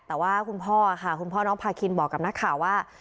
แต่ว่าคุณพ่อน้องพากินบอกกับนักข่าวว่า